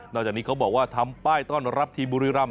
จากนี้เขาบอกว่าทำป้ายต้อนรับทีมบุรีรำ